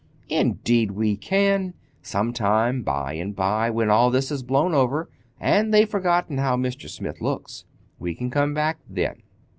"Indeed we can—some time, by and by, when all this has blown over, and they've forgotten how Mr. Smith looks. We can come back then.